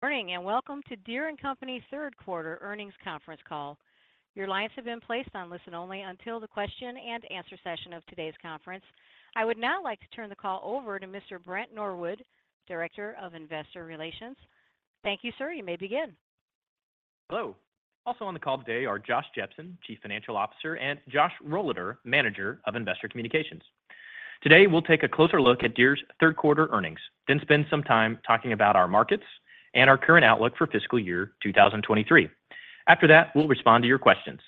Morning, welcome to Deere & Company's third quarter earnings conference call. Your lines have been placed on listen-only until the question-and-answer session of today's conference. I would now like to turn the call over to Mr. Brent Norwood, Director of Investor Relations. Thank you, sir. You may begin. Hello. Also on the call today are Josh Jepsen, Chief Financial Officer, and Josh Rohleder, Manager of Investor Communications. Today, we'll take a closer look at Deere's third quarter earnings, then spend some time talking about our markets and our current outlook for fiscal year 2023. After that, we'll respond to your questions.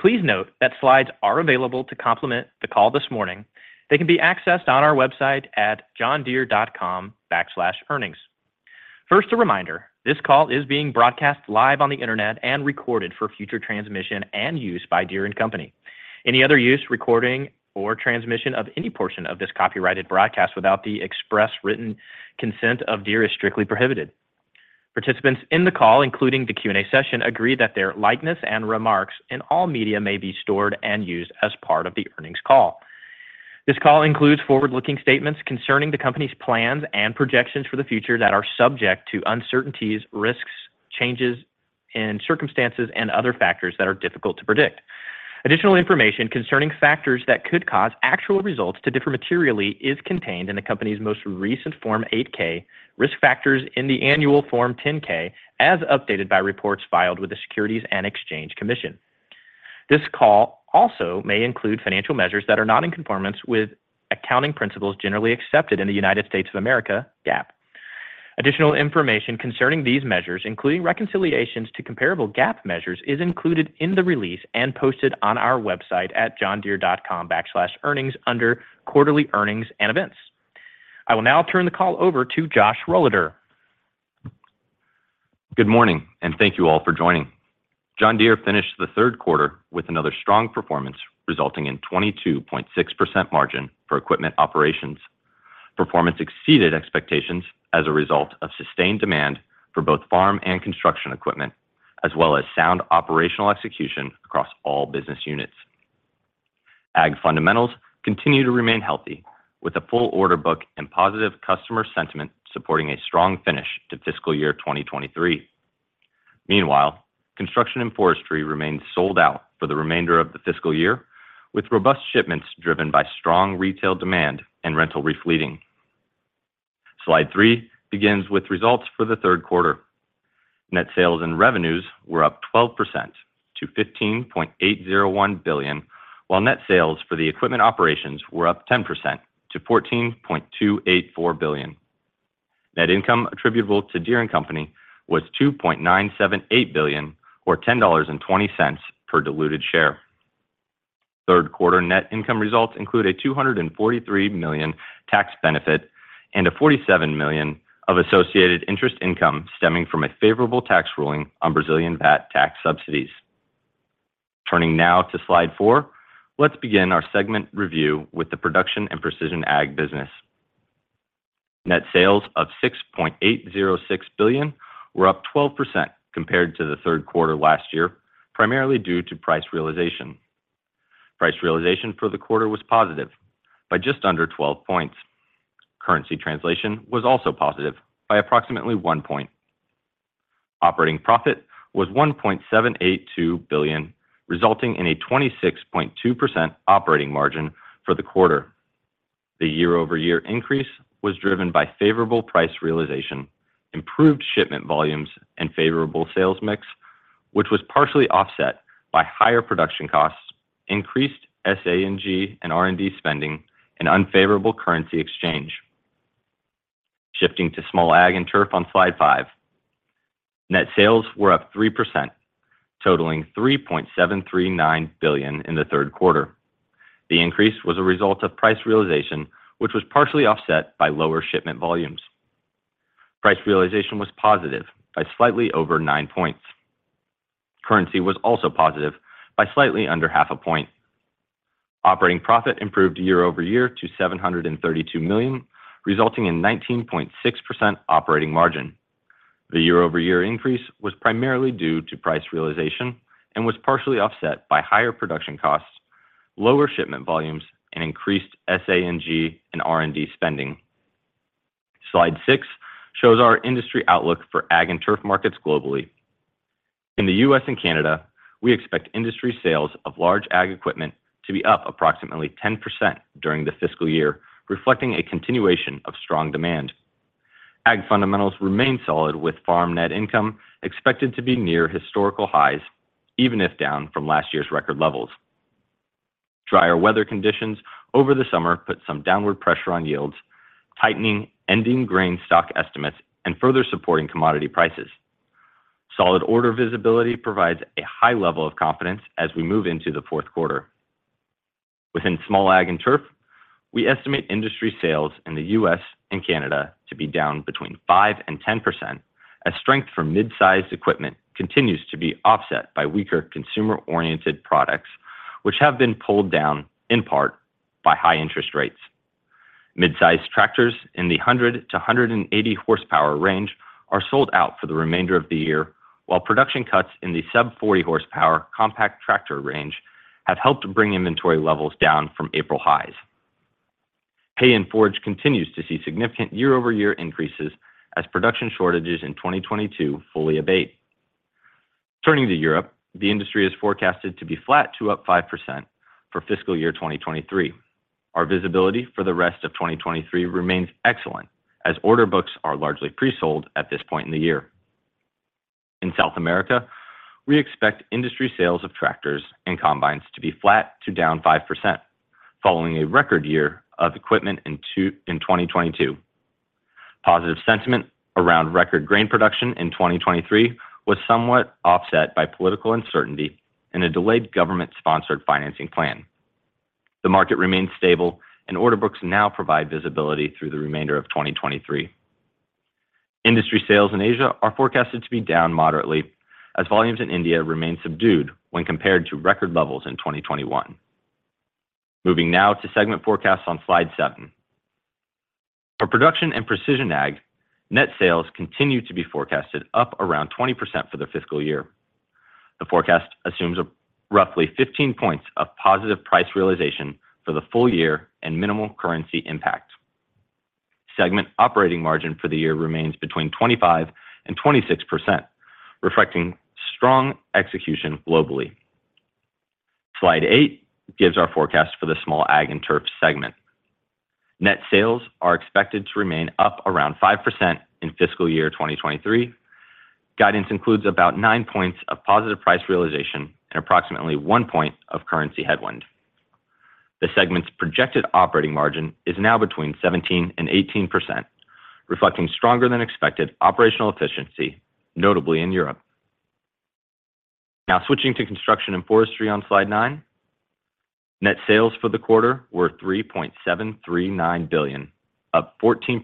Please note that slides are available to complement the call this morning. They can be accessed on our website at johndeere.com/earnings. First, a reminder, this call is being broadcast live on the internet and recorded for future transmission and use by Deere & Company. Any other use, recording, or transmission of any portion of this copyrighted broadcast without the express written consent of Deere is strictly prohibited. Participants in the call, including the Q&A session, agree that their likeness and remarks in all media may be stored and used as part of the earnings call. This call includes forward-looking statements concerning the company's plans and projections for the future that are subject to uncertainties, risks, changes in circumstances, and other factors that are difficult to predict. Additional information concerning factors that could cause actual results to differ materially is contained in the company's most recent Form 8-K, Risk Factors in the Annual Form 10-K, as updated by reports filed with the Securities and Exchange Commission. This call also may include financial measures that are not in conformance with accounting principles generally accepted in the United States of America, GAAP. Additional information concerning these measures, including reconciliations to comparable GAAP measures, is included in the release and posted on our website at johndeere.com/earnings under Quarterly Earnings and Events. I will now turn the call over to Josh Rohleder. Good morning. Thank you all for joining. John Deere finished the third quarter with another strong performance, resulting in 22.6% margin for equipment operations. Performance exceeded expectations as a result of sustained demand for both farm and construction equipment, as well as sound operational execution across all business units. Ag fundamentals continue to remain healthy, with a full order book and positive customer sentiment supporting a strong finish to fiscal year 2023. Meanwhile, Construction & Forestry remains sold out for the remainder of the fiscal year, with robust shipments driven by strong retail demand and rental re-fleeting. Slide 3 begins with results for the third quarter. Net sales and revenues were up 12% to $15.801 billion, while net sales for the equipment operations were up 10% to $14.284 billion. Net income attributable to Deere & Company was $2.978 billion, or $10.20 per diluted share. third quarter net income results include a $243 million tax benefit and a $47 million of associated interest income stemming from a favorable tax ruling on Brazilian VAT tax subsidies. Turning now to slide 4, let's begin our segment review with the Production & Precision Ag business. Net sales of $6.806 billion were up 12% compared to the third quarter last year, primarily due to price realization. Price realization for the quarter was positive by just under 12 points. Currency translation was also positive by approximately 1 point. Operating profit was $1.782 billion, resulting in a 26.2% operating margin for the quarter. The year-over-year increase was driven by favorable price realization, improved shipment volumes, and favorable sales mix, which was partially offset by higher production costs, increased SA&G and R&D spending, and unfavorable currency exchange. Shifting to Small Ag & Turf on Slide five. Net sales were up 3%, totaling $3.739 billion in the third quarter. The increase was a result of price realization, which was partially offset by lower shipment volumes. Price realization was positive by slightly over 9 points. Currency was also positive by slightly under 0.5 points. Operating profit improved year-over-year to $732 million, resulting in 19.6% operating margin. The year-over-year increase was primarily due to price realization and was partially offset by higher production costs, lower shipment volumes, and increased SA&G and R&D spending. Slide 6 shows our industry outlook for ag and turf markets globally. In the US and Canada, we expect industry sales of l& arge ag equipment to be up approximately 10% during the fiscal year, reflecting a continuation of strong demand. Ag fundamentals remain solid, with farm net income expected to be near historical highs, even if down from last year's record levels. Drier weather conditions over the summer put some downward pressure on yields, tightening ending grain stock estimates and further supporting commodity prices. Solid order visibility provides a high level of confidence as we move into the fourth quarter. Within Small Ag & Turf, we estimate industry sales in the US and Canada to be down between 5%-10%, as strength for mid-sized equipment continues to be offset by weaker consumer-oriented products, which have been pulled down in part by high interest rates. Mid-size tractors in the 100 to 180 horsepower range are sold out for the remainder of the year, while production cuts in the sub 40 horsepower compact tractor range have helped bring inventory levels down from April highs. Hay and forage continues to see significant year-over-year increases as production shortages in 2022 fully abate. Turning to Europe, the industry is forecasted to be flat to up 5% for fiscal year 2023. Our visibility for the rest of 2023 remains excellent, as order books are largely pre-sold at this point in the year. In South America, we expect industry sales of tractors and combines to be flat to down 5%, following a record year of equipment in 2022. Positive sentiment around record grain production in 2023 was somewhat offset by political uncertainty and a delayed government-sponsored financing plan. The market remains stable, and order books now provide visibility through the remainder of 2023. Industry sales in Asia are forecasted to be down moderately, as volumes in India remain subdued when compared to record levels in 2021. Moving now to segment forecasts on slide 7. For Production & Precision Ag, net sales continue to be forecasted up around 20% for the fiscal year. The forecast assumes a roughly 15 points of positive price realization for the full year and minimal currency impact. Segment operating margin for the year remains between 25%-26%, reflecting strong execution globally. Slide 8 gives our forecast for the Small Ag & Turf segment. Net sales are expected to remain up around 5% in fiscal year 2023. Guidance includes about 9 points of positive price realization and approximately 1 point of currency headwind. The segment's projected operating margin is now between 17%-18%, reflecting stronger than expected operational efficiency, notably in Europe. Now switching to Construction & Forestry on slide 9. Net sales for the quarter were $3.739 billion, up 14%,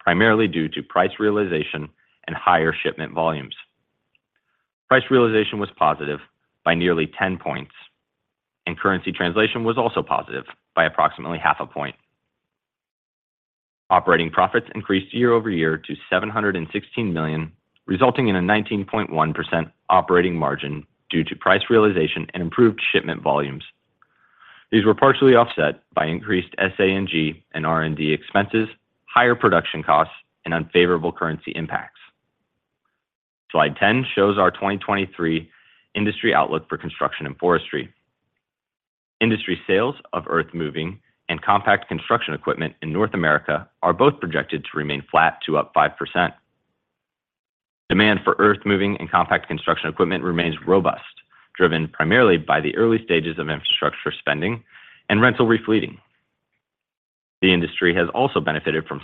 primarily due to price realization and higher shipment volumes. Price realization was positive by nearly 10 points, and currency translation was also positive by approximately 0.5 points. Operating profits increased year over year to $716 million, resulting in a 19.1% operating margin due to price realization and improved shipment volumes. These were partially offset by increased SA&G and R&D expenses, higher production costs, and unfavorable currency impacts. Slide 10 shows our 2023 industry outlook for Construction & Forestry. Industry sales of earthmoving and compact construction equipment in North America are both projected to remain flat to up 5%. Demand for earthmoving and compact construction equipment remains robust, driven primarily by the early stages of infrastructure spending and rental re-fleeting. The industry has also benefited from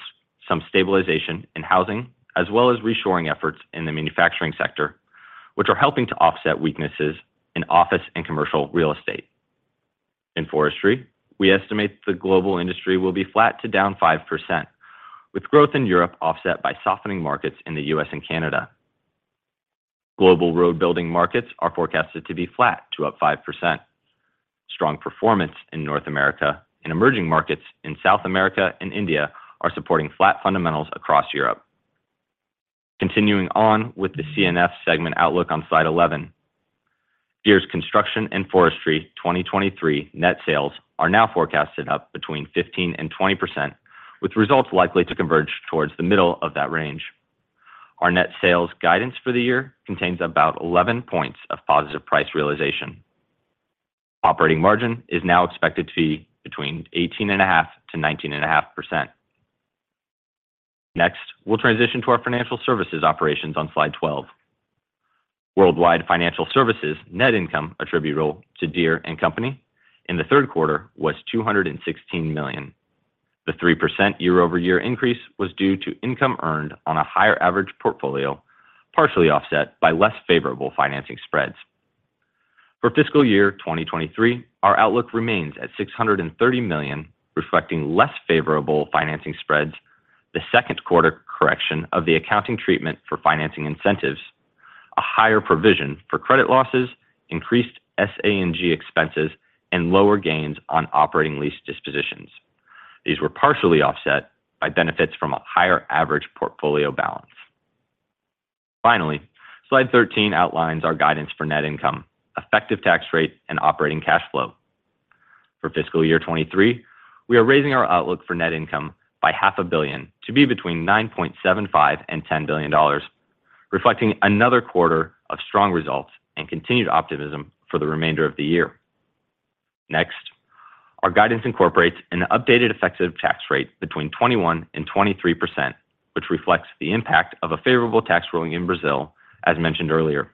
some stabilization in housing, as well as reshoring efforts in the manufacturing sector, which are helping to offset weaknesses in office and commercial real estate. In forestry, we estimate the global industry will be flat to down 5%, with growth in Europe offset by softening markets in the US and Canada. Global road building markets are forecasted to be flat to up 5%. Strong performance in North America and emerging markets in South America and India are supporting flat fundamentals across Europe. Continuing on with the C&F segment outlook on slide 11. Deere's Construction & Forestry 2023 net sales are now forecasted up between 15% and 20%, with results likely to converge towards the middle of that range. Our net sales guidance for the year contains about 11 points of positive price realization. Operating margin is now expected to be between 18.5%-19.5%. Next, we'll transition to our Financial Services operations on slide 12. Worldwide Financial Services net income attributable to Deere & Company in the third quarter was $216 million. The 3% year-over-year increase was due to income earned on a higher average portfolio, partially offset by less favorable financing spreads. For fiscal year 2023, our outlook remains at $630 million, reflecting less favorable financing spreads, the second quarter correction of the accounting treatment for financing incentives, a higher provision for credit losses, increased SA&G expenses, and lower gains on operating lease dispositions. These were partially offset by benefits from a higher average portfolio balance. Finally, slide 13 outlines our guidance for net income, effective tax rate, and operating cash flow. For fiscal year 2023, we are raising our outlook for net income by $500 million, to be between $9.75 billion and $10 billion, reflecting another quarter of strong results and continued optimism for the remainder of the year. Our guidance incorporates an updated effective tax rate between 21%-23%, which reflects the impact of a favorable tax ruling in Brazil, as mentioned earlier.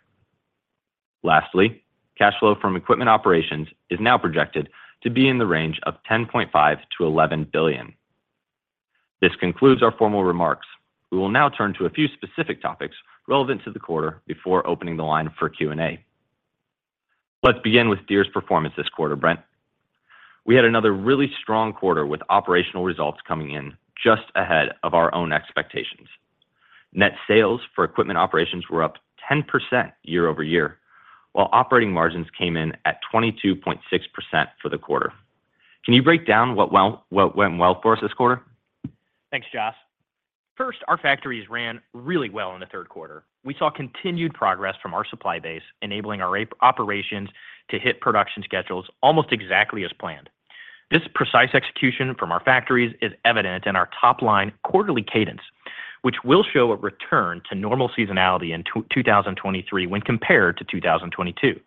Lastly, cash flow from equipment operations is now projected to be in the range of $10.5 billion-$11 billion. This concludes our formal remarks. We will now turn to a few specific topics relevant to the quarter before opening the line for Q&A. Let's begin with Deere's performance this quarter, Brent. We had another really strong quarter with operational results coming in just ahead of our own expectations. Net sales for equipment operations were up 10% year-over-year, while operating margins came in at 22.6% for the quarter. Can you break down what went well for us this quarter? Thanks, Josh. First, our factories ran really well in the third quarter. We saw continued progress from our supply base, enabling our operations to hit production schedules almost exactly as planned. This precise execution from our factories is evident in our top line quarterly cadence, which will show a return to normal seasonality in 2023 when compared to 2022.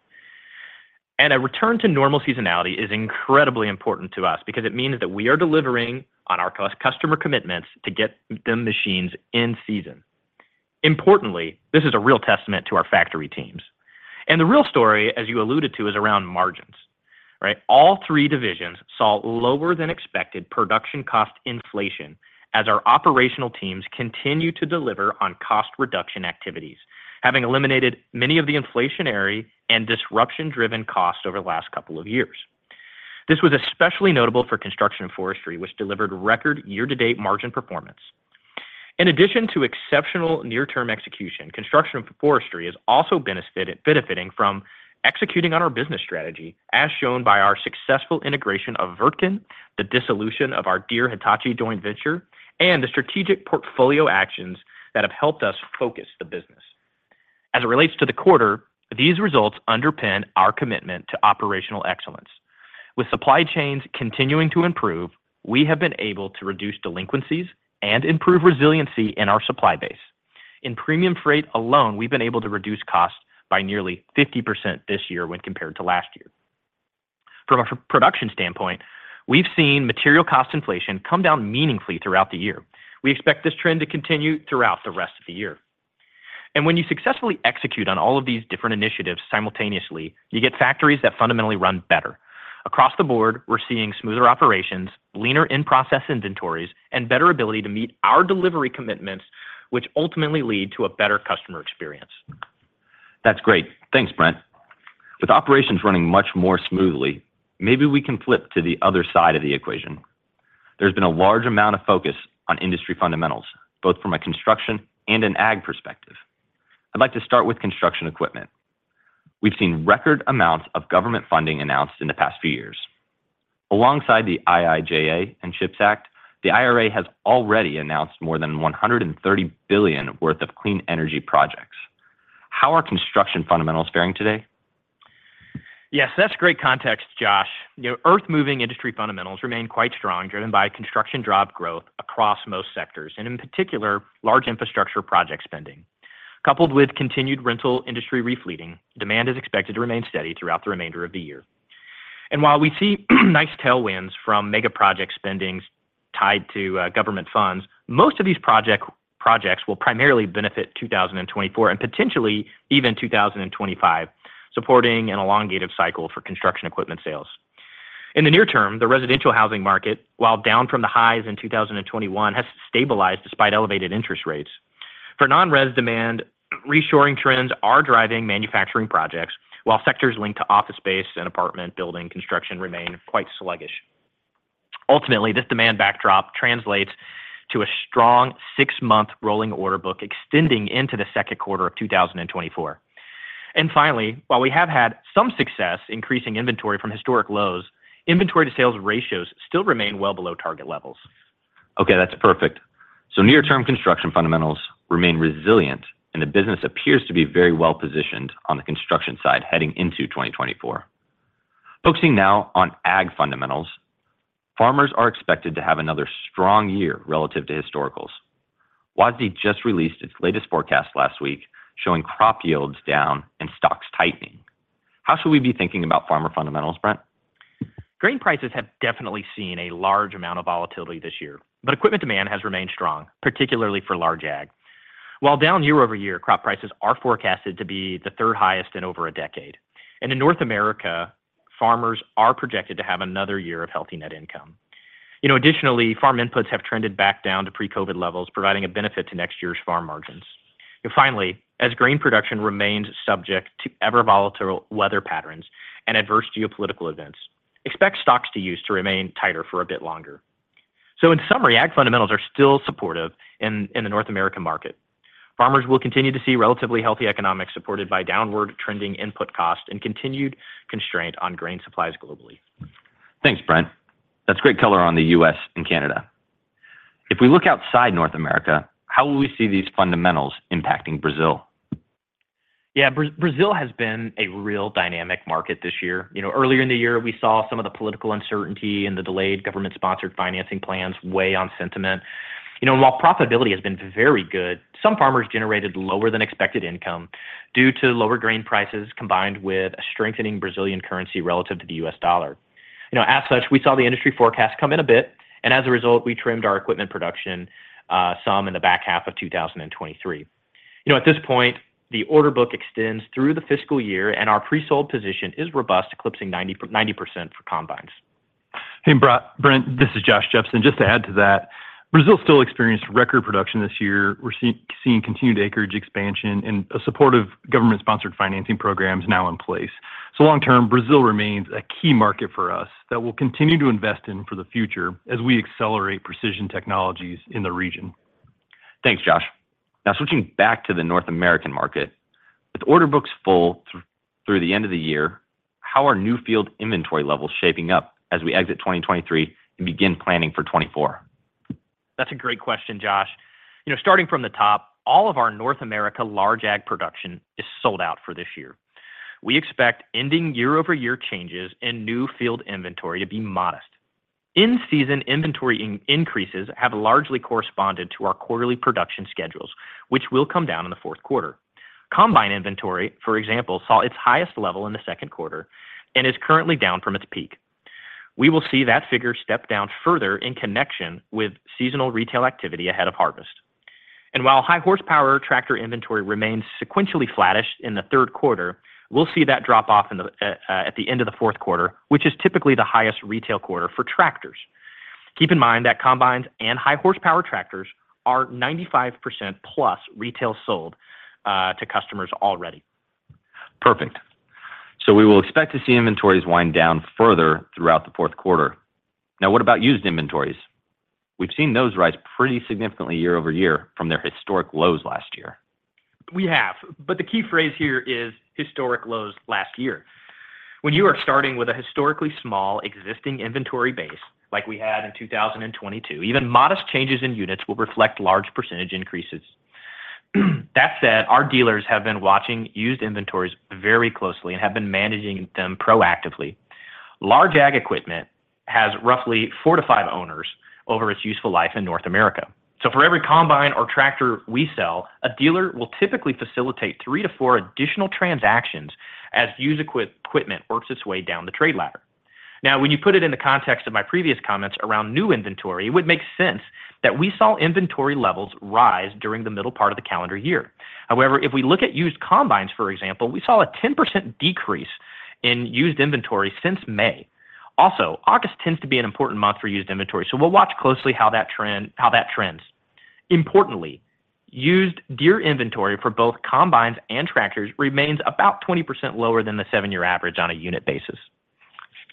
A return to normal seasonality is incredibly important to us because it means that we are delivering on our customer commitments to get them machines in season. Importantly, this is a real testament to our factory teams, and the real story, as you alluded to, is around margins, right? All three divisions saw lower than expected production cost inflation as our operational teams continued to deliver on cost reduction activities, having eliminated many of the inflationary and disruption-driven costs over the last couple of years. This was especially notable for Construction & Forestry, which delivered record year-to-date margin performance. In addition to exceptional near-term execution, Construction & Forestry is also benefiting from executing on our business strategy, as shown by our successful integration of Wirtgen, the dissolution of our Deere-Hitachi joint venture, and the strategic portfolio actions that have helped us focus the business. As it relates to the quarter, these results underpin our commitment to operational excellence. With supply chains continuing to improve, we have been able to reduce delinquencies and improve resiliency in our supply base. In premium freight alone, we've been able to reduce costs by nearly 50% this year when compared to last year. From a production standpoint, we've seen material cost inflation come down meaningfully throughout the year. We expect this trend to continue throughout the rest of the year. When you successfully execute on all of these different initiatives simultaneously, you get factories that fundamentally run better. Across the board, we're seeing smoother operations, leaner in-process inventories, and better ability to meet our delivery commitments, which ultimately lead to a better customer experience. That's great. Thanks, Brent. With operations running much more smoothly, maybe we can flip to the other side of the equation. There's been a large amount of focus on industry fundamentals, both from a construction and an ag perspective. I'd like to start with construction equipment. We've seen record amounts of government funding announced in the past few years. Alongside the IIJA and CHIPS Act, the IRA has already announced more than $130 billion worth of clean energy projects. How are construction fundamentals faring today? Yes, that's great context, Josh. You know, earthmoving industry fundamentals remain quite strong, driven by construction job growth across most sectors, and in particular, large infrastructure project spending. Coupled with continued rental industry refleeting, demand is expected to remain steady throughout the remainder of the year. While we see nice tailwinds from mega project spendings tied to government funds, most of these projects will primarily benefit 2024 and potentially even 2025, supporting an elongated cycle for construction equipment sales. In the near term, the residential housing market, while down from the highs in 2021, has stabilized despite elevated interest rates. For non-res demand, reshoring trends are driving manufacturing projects, while sectors linked to office space and apartment building construction remain quite sluggish. Ultimately, this demand backdrop translates to a strong six-month rolling order book extending into the second quarter of 2024. Finally, while we have had some success increasing inventory from historic lows, inventory to sales ratios still remain well below target levels. Okay, that's perfect. Near-term construction fundamentals remain resilient, and the business appears to be very well positioned on the construction side heading into 2024. Focusing now on ag fundamentals. Farmers are expected to have another strong year relative to historicals. WASDE just released its latest forecast last week, showing crop yields down and stocks tightening. How should we be thinking about farmer fundamentals, Brent? Grain prices have definitely seen a large amount of volatility this year, equipment demand has remained strong, particularly for large ag. While down year-over-year, crop prices are forecasted to be the third highest in over a decade. In North America, farmers are projected to have another year of healthy net income. You know, additionally, farm inputs have trended back down to pre-COVID levels, providing a benefit to next year's farm margins. Finally, as grain production remains subject to ever-volatile weather patterns and adverse geopolitical events, expect stocks-to-use to remain tighter for a bit longer. In summary, ag fundamentals are still supportive in the North American market. Farmers will continue to see relatively healthy economics supported by downward trending input costs and continued constraint on grain supplies globally. Thanks, Brent. That's great color on the U.S. and Canada. If we look outside North America, how will we see these fundamentals impacting Brazil? Yeah, Brazil has been a real dynamic market this year. You know, earlier in the year, we saw some of the political uncertainty and the delayed government-sponsored financing plans weigh on sentiment. You know, while profitability has been very good, some farmers generated lower than expected income due to lower grain prices, combined with a strengthening Brazilian currency relative to the U.S. dollar. You know, as such, we saw the industry forecast come in a bit, and as a result, we trimmed our equipment production some in the back half of 2023. You know, at this point, the order book extends through the fiscal year, and our pre-sold position is robust, eclipsing 90% for combines. Hey, Brent, this is Josh Jepsen. Just to add to that, Brazil still experienced record production this year. We're seeing continued acreage expansion and a supportive government-sponsored financing programs now in place. Long term, Brazil remains a key market for us that we'll continue to invest in for the future as we accelerate precision technologies in the region. Thanks, Josh. Now, switching back to the North American market. With order books full through the end of the year, how are new field inventory levels shaping up as we exit 2023 and begin planning for 2024? That's a great question, Josh. You know, starting from the top, all of our North America large ag production is sold out for this year. We expect ending year-over-year changes in new field inventory to be modest. In-season inventory in- increases have largely corresponded to our quarterly production schedules, which will come down in the fourth quarter. Combine inventory, for example, saw its highest level in the second quarter and is currently down from its peak. We will see that figure step down further in connection with seasonal retail activity ahead of harvest. While high horsepower tractor inventory remains sequentially flattish in the third quarter, we'll see that drop off in the, at the end of the fourth quarter, which is typically the highest retail quarter for tractors. Keep in mind that combines and high horsepower tractors are 95% plus retail sold, to customers already. Perfect. We will expect to see inventories wind down further throughout the fourth quarter. Now, what about used inventories? We've seen those rise pretty significantly year-over-year from their historic lows last year. We have. The key phrase here is historic lows last year. When you are starting with a historically small existing inventory base, like we had in 2022, even modest changes in units will reflect large % increases. That said, our dealers have been watching used inventories very closely and have been managing them proactively. Large ag equipment has roughly 4-5 owners over its useful life in North America. For every combine or tractor we sell, a dealer will typically facilitate 3-4 additional transactions as used equipment works its way down the trade ladder. When you put it in the context of my previous comments around new inventory, it would make sense that we saw inventory levels rise during the middle part of the calendar year. However, if we look at used combines, for example, we saw a 10% decrease in used inventory since May. Also, August tends to be an important month for used inventory, so we'll watch closely how that trends. Importantly, used Deere inventory for both combines and tractors remains about 20% lower than the 7-year average on a unit basis.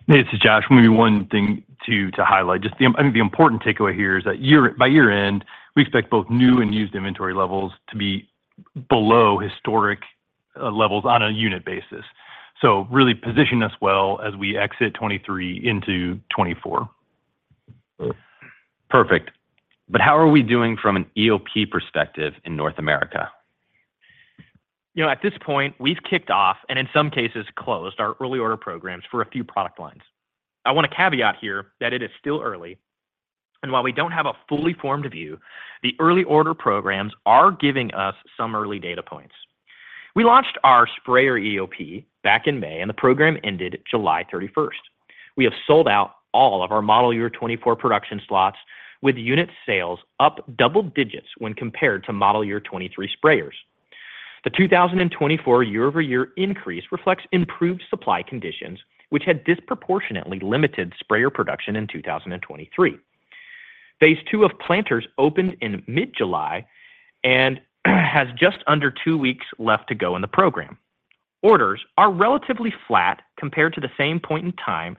This is Josh. Maybe one thing to highlight, just the, I mean, the important takeaway here is that by year-end, we expect both new and used inventory levels to be below historic levels on a unit basis. Really positioning us well as we exit 2023 into 2024. Perfect. How are we doing from an EOP perspective in North America? You know, at this point, we've kicked off, and in some cases, closed our early order programs for a few product lines. I want to caveat here that it is still early, and while we don't have a fully formed view, the early order programs are giving us some early data points. We launched our sprayer EOP back in May, and the program ended July 31st. We have sold out all of our model year 2024 production slots, with unit sales up double digits when compared to model year 2023 sprayers. The 2024 year-over-year increase reflects improved supply conditions, which had disproportionately limited sprayer production in 2023. Phase two of planters opened in mid-July and has just under two weeks left to go in the program. Orders are relatively flat compared to the same point in time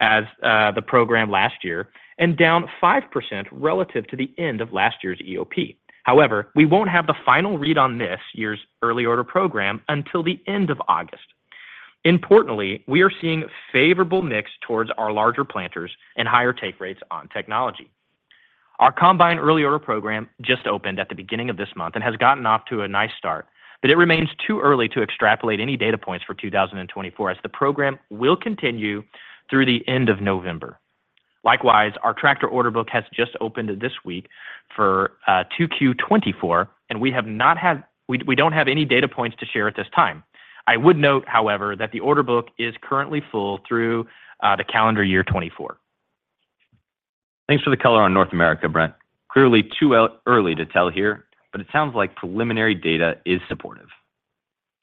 as the program last year, and down 5% relative to the end of last year's EOP. However, we won't have the final read on this year's early order program until the end of August. Importantly, we are seeing favorable mix towards our larger planters and higher take rates on technology. Our combine early order program just opened at the beginning of this month and has gotten off to a nice start, but it remains too early to extrapolate any data points for 2024 as the program will continue through the end of November. Likewise, our tractor order book has just opened this week for 2Q 2024, and we don't have any data points to share at this time. I would note, however, that the order book is currently full through, the calendar year 2024. Thanks for the color on North America, Brent. Clearly too early to tell here, but it sounds like preliminary data is supportive.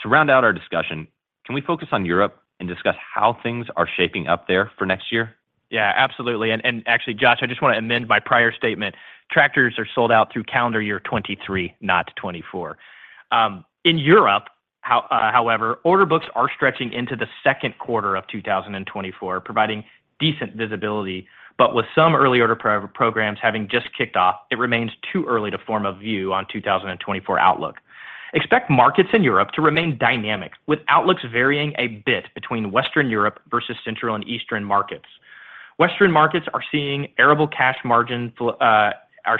To round out our discussion, can we focus on Europe and discuss how things are shaping up there for next year? Yeah, absolutely. Actually, Josh, I just want to amend my prior statement. Tractors are sold out through calendar year 2023, not 2024. In Europe, however, order books are stretching into the 2Q of 2024, providing decent visibility, but with some early order programs having just kicked off, it remains too early to form a view on 2024 outlook. Expect markets in Europe to remain dynamic, with outlooks varying a bit between Western Europe versus Central and Eastern markets. Western markets are seeing arable cash margins, are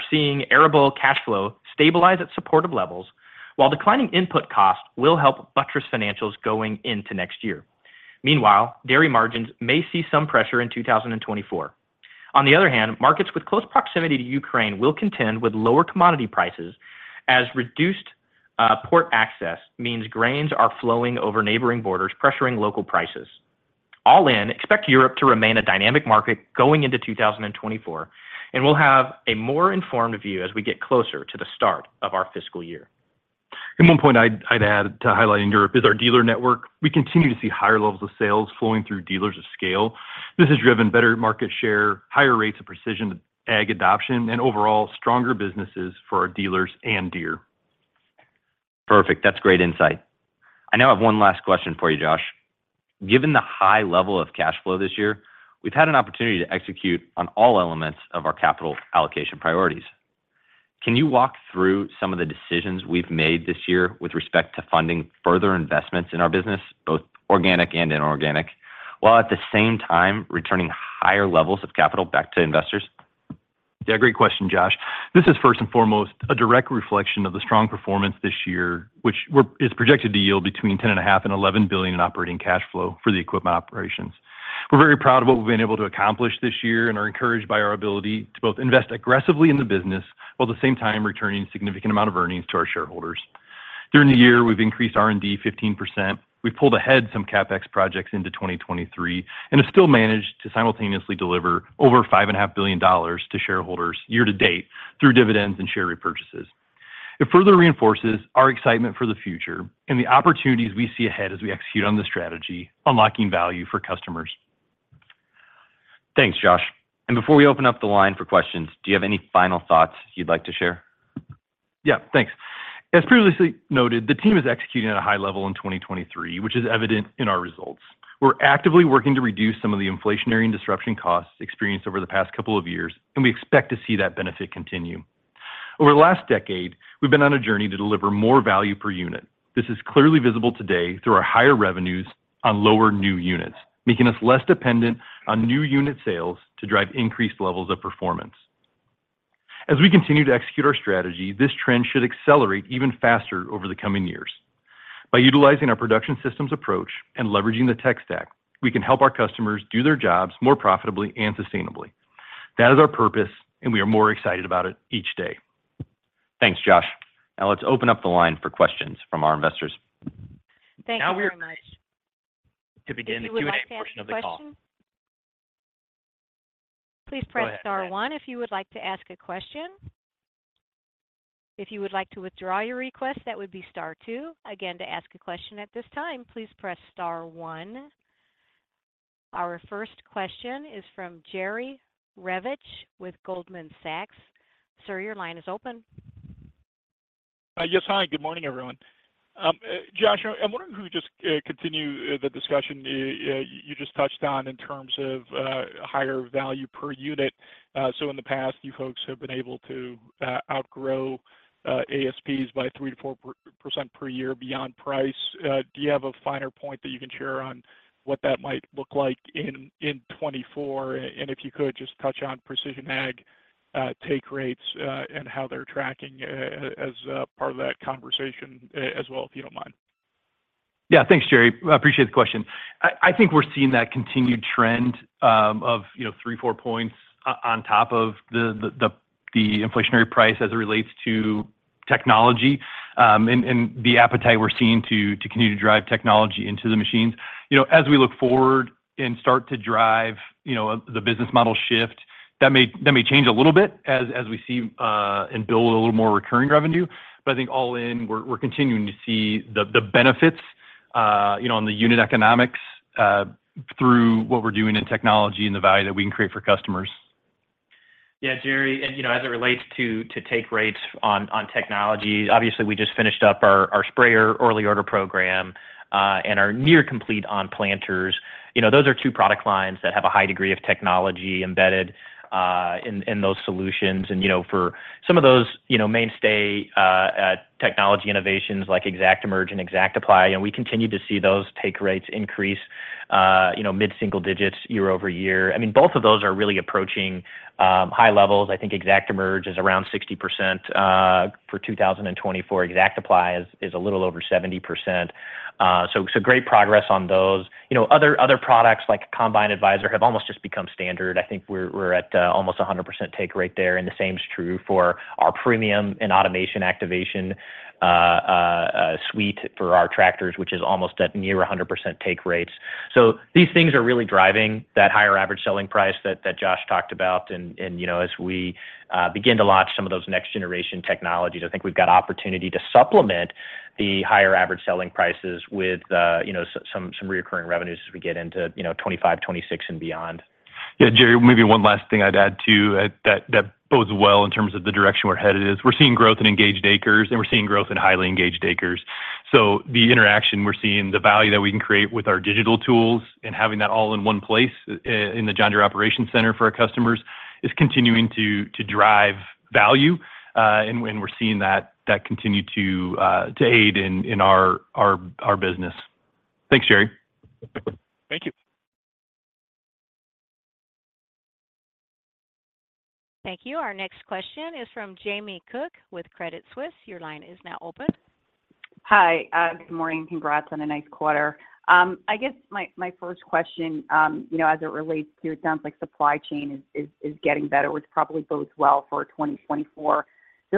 seeing arable cash flow stabilize at supportive levels, while declining input costs will help buttress financials going into next year. Meanwhile, dairy margins may see some pressure in 2024. Markets with close proximity to Ukraine will contend with lower commodity prices as reduced port access means grains are flowing over neighboring borders, pressuring local prices. Expect Europe to remain a dynamic market going into 2024. We'll have a more informed view as we get closer to the start of our fiscal year. One point I'd add to highlight in Europe is our dealer network. We continue to see higher levels of sales flowing through dealers of scale. This has driven better market share, higher rates of precision ag adoption, and overall stronger businesses for our dealers and Deere. Perfect. That's great insight. I now have one last question for you, Josh. Given the high level of cash flow this year, we've had an opportunity to execute on all elements of our capital allocation priorities. Can you walk through some of the decisions we've made this year with respect to funding further investments in our business, both organic and inorganic, while at the same time returning higher levels of capital back to investors? Yeah, great question, Josh. This is first and foremost, a direct reflection of the strong performance this year, which is projected to yield between $10.5 billion-$11 billion in operating cash flow for the equipment operations. We're very proud of what we've been able to accomplish this year and are encouraged by our ability to both invest aggressively in the business, while at the same time, returning a significant amount of earnings to our shareholders. During the year, we've increased R&D 15%. We've pulled ahead some CapEx projects into 2023, and have still managed to simultaneously deliver over $5.5 billion to shareholders year to date through dividends and share repurchases. It further reinforces our excitement for the future and the opportunities we see ahead as we execute on the strategy, unlocking value for customers. Thanks, Josh. Before we open up the line for questions, do you have any final thoughts you'd like to share? Yeah, thanks. As previously noted, the team is executing at a high level in 2023, which is evident in our results. We're actively working to reduce some of the inflationary and disruption costs experienced over the past couple of years, and we expect to see that benefit continue. Over the last decade, we've been on a journey to deliver more value per unit. This is clearly visible today through our higher revenues on lower new units, making us less dependent on new unit sales to drive increased levels of performance. As we continue to execute our strategy, this trend should accelerate even faster over the coming years. By utilizing our production systems approach and leveraging the tech stack, we can help our customers do their jobs more profitably and sustainably. That is our purpose, and we are more excited about it each day. Thanks, Josh. Now let's open up the line for questions from our investors. Thank you very much. Now To begin the Q&A portion of the call. Please press star one if you would like to ask a question. If you would like to withdraw your request, that would be star two. Again, to ask a question at this time, please press star one. Our first question is from Jerry Revich with Goldman Sachs. Sir, your line is open. Yes. Hi, good morning, everyone. Josh, I'm wondering if we just, continue the discussion, you just touched on in terms of, higher value per unit. In the past, you folks have been able to, outgrow, ASPs by 3%-4% per year beyond price. Do you have a finer point that you can share on what that might look like in, in 2024? If you could, just touch on Precision Ag, take rates, and how they're tracking, as, part of that conversation, as well, if you don't mind. Yeah. Thanks, Jerry. I appreciate the question. I, I think we're seeing that continued trend, of, you know, three, four points on top of the, the, the, the inflationary price as it relates to technology, and, and the appetite we're seeing to, to continue to drive technology into the machines. You know, as we look forward and start to drive, you know, the business model shift, that may, that may change a little bit as, as we see, and build a little more recurring revenue. I think all in, we're, we're continuing to see the, the benefits, you know, on the unit economics, through what we're doing in technology and the value that we can create for customers. Yeah, Jerry, and, you know, as it relates to, to take rates on, on technology, obviously, we just finished up our, our sprayer early order program, and are near complete on planters. You know, those are two product lines that have a high degree of technology embedded in, in those solutions. You know, for some of those, you know, mainstay technology innovations like ExactEmerge and ExactApply, we continue to see those take rates increase, you know, mid-single digits year-over-year. I mean, both of those are really approaching high levels. I think ExactEmerge is around 60% for 2024. ExactApply is, is a little over 70%. So great progress on those. You know, other products like Combine Advisor, have almost just become standard. I think we're, we're at almost 100% take rate there, and the same is true for our Premium and Automation Activation suite for our tractors, which is almost at near 100% take rates. These things are really driving that higher average selling price that Josh talked about. And, you know, as we begin to launch some of those next-generation technologies, I think we've got opportunity to supplement the higher average selling prices with, you know, some, some, some reoccurring revenues as we get into, you know, 2025, 2026 and beyond. Yeah, Jerry, maybe one last thing I'd add, too, that, that bodes well in terms of the direction we're headed is we're seeing growth in engaged acres, and we're seeing growth in highly engaged acres. The interaction we're seeing, the value that we can create with our digital tools and having that all in one place in the John Deere Operations Center for our customers, is continuing to, to drive value. And, and we're seeing that, that continue to aid in, in our, our, our business. Thanks, Jerry. Thank you. Thank you. Our next question is from Jamie Cook with Credit Suisse. Your line is now open. Hi, good morning. Congrats on a nice quarter. I guess my, my first question, you know, as it relates to it sounds like supply chain is, is, is getting better, which probably bodes well for 2024.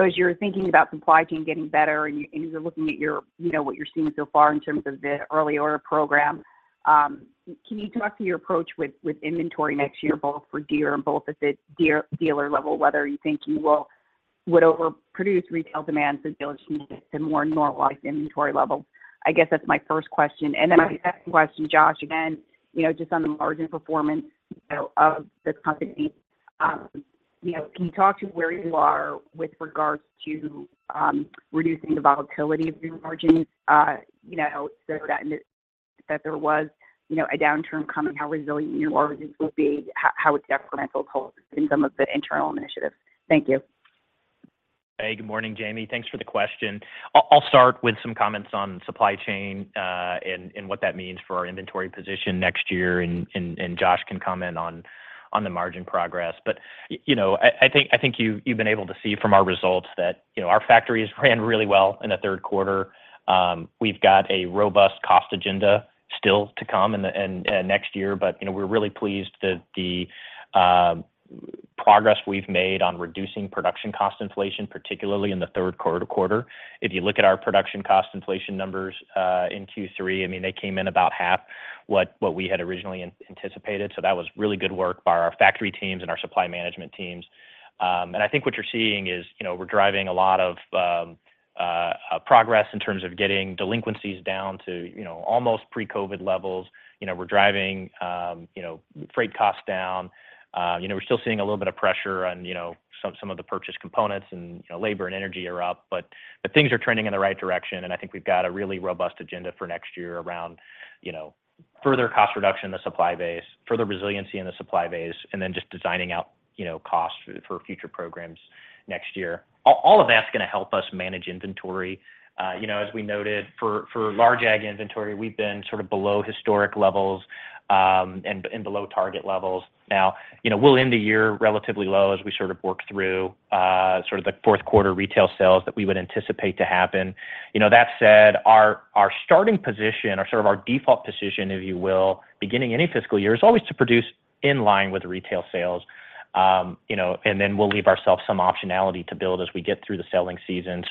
As you're thinking about supply chain getting better and you, you know, what you're seeing so far in terms of the early order program, can you talk to your approach with, with inventory next year, both for Deere and both at the Deere dealer level, whether you think you would overproduce retail demand so dealers can get to more normalized inventory levels? I guess that's my first question. My second question, Josh, again, you know, just on the margin performance, you know, of this company, you know, can you talk to where you are with regards to reducing the volatility of your margins, you know, so that that there was, you know, a downturn coming, how resilient you are, this will be, how, how it's incremental hold in some of the internal initiatives? Thank you. Hey, good morning, Jamie. Thanks for the question. I'll, I'll start with some comments on supply chain and what that means for our inventory position next year, and Josh can comment on the margin progress. You know, I, I think, I think you've, you've been able to see from our results that, you know, our factories ran really well in the third quarter. We've got a robust cost agenda still to come in the next year, but, you know, we're really pleased that the progress we've made on reducing production cost inflation, particularly in the third quarter. If you look at our production cost inflation numbers in Q3, I mean, they came in about half what we had originally anticipated, so that was really good work by our factory teams and our supply management teams. I think what you're seeing is, we're driving a lot of progress in terms of getting delinquencies down to, you know, almost pre-COVID levels. We're driving freight costs down. We're still seeing a little bit of pressure on, you know, some, some of the purchased components and labor and energy are up, but things are trending in the right direction, and I think we've got a really robust agenda for next year around further cost reduction in the supply base, further resiliency in the supply base, and then just designing out costs for future programs next year. All, all of that's gonna help us manage inventory. You know, as we noted, for, for large ag inventory, we've been sort of below historic levels, and below target levels. Now, you know, we'll end the year relatively low as we sort of work through, sort of the fourth quarter retail sales that we would anticipate to happen. You know, that said, our, our starting position or sort of our default position, if you will, beginning any fiscal year, is always to produce in line with retail sales. You know, then we'll leave ourselves some optionality to build as we get through the selling season.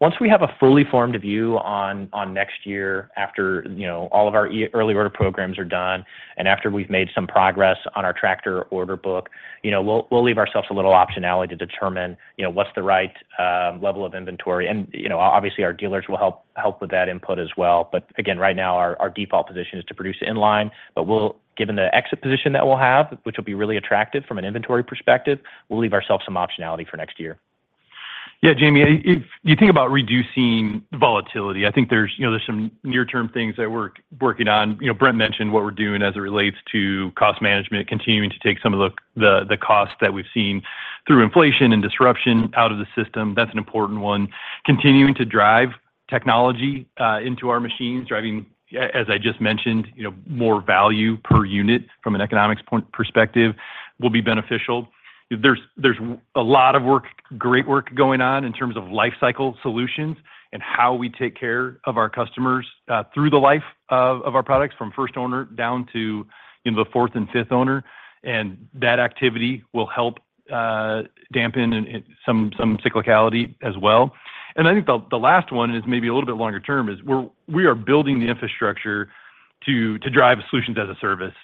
Once we have a fully formed view on, on next year, after, you know, all of our early order programs are done, and after we've made some progress on our tractor order book, you know, we'll, we'll leave ourselves a little optionality to determine, you know, what's the right level of inventory. You know, obviously, our dealers will help, help with that input as well. Again, right now, our, our default position is to produce in-line, but we'll given the exit position that we'll have, which will be really attractive from an inventory perspective, we'll leave ourselves some optionality for next year. Yeah, Jamie, if you think about reducing volatility, I think there's, you know, there's some near-term things that we're working on. You know, Brent mentioned what we're doing as it relates to cost management, continuing to take some of the, the, the costs that we've seen through inflation and disruption out of the system. That's an important one. Continuing to drive technology into our machines, driving, as I just mentioned, you know, more value per unit from an economics point- perspective will be beneficial. There's, there's a lot of work, great work going on in terms of life cycle solutions and how we take care of our customers, through the life of, of our products, from first owner down to, you know, the fourth and fifth owner. That activity will help dampen and, and some, some cyclicality as well. I think the, the last one is maybe a little bit longer term, is we are building the infrastructure to drive solutions as a service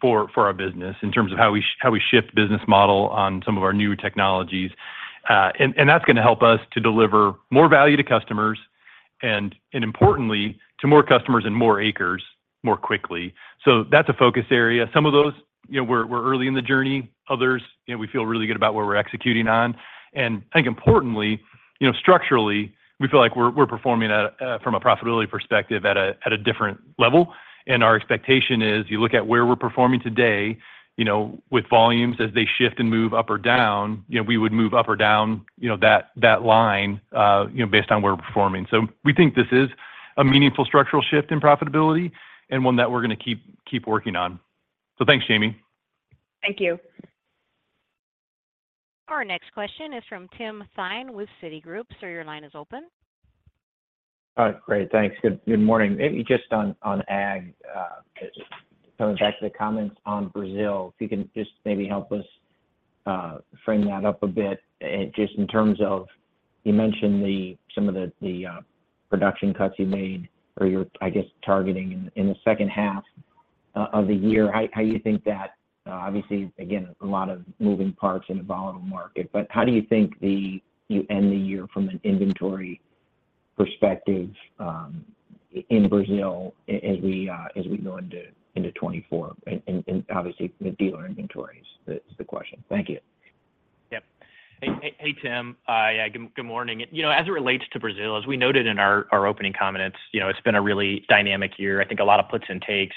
for our business, in terms of how we shift business model on some of our new technologies. That's gonna help us to deliver more value to customers and importantly, to more customers and more acres more quickly. That's a focus area. Some of those, you know, we're early in the journey. Others, you know, we feel really good about what we're executing on. I think importantly, you know, structurally, we feel like we're performing from a profitability perspective, at a different level. Our expectation is, you look at where we're performing today, you know, with volumes as they shift and move up or down, you know, we would move up or down, you know, that, that line, you know, based on where we're performing. We think this is a meaningful structural shift in profitability and one that we're gonna keep, keep working on. Thanks, Jamie. Thank you. Our next question is from Tim Thein with Citigroup. Sir, your line is open. All right. Great. Thanks. Good, good morning. Maybe just on, on ag, just coming back to the comments on Brazil, if you can just maybe help us frame that up a bit, just in terms of... You mentioned the, some of the, the production cuts you made or you're, I guess, targeting in, in the second half of the year. How, how do you think that, obviously, again, a lot of moving parts in a volatile market, but how do you think you end the year from an inventory perspective, in Brazil, as we go into, into 2024, and, and, and obviously, the dealer inventories? That's the question. Thank you. Tim. Yeah, good, good morning. You know, as it relates to Brazil, as we noted in our opening comments, you know, it's been a really dynamic year. I think a lot of puts and takes.